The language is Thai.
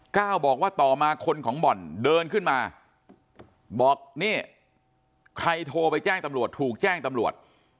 ก้าวบอกว่าต่อมาคนของบ่อนเดินขึ้นมาบอกนี่ใครโทรไปแจ้งตำรวจถูกแจ้งตำรวจ